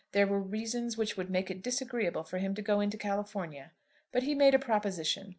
There were reasons which would make it disagreeable for him to go into California. But he made a proposition.